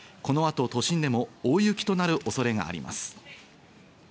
この後、都心でも大雪となるおそれがあります。